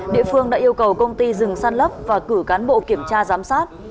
địa phương đã yêu cầu công ty dừng lấp và cử cán bộ kiểm tra giám sát